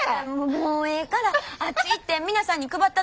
もうええからあっち行って皆さんに配ったって。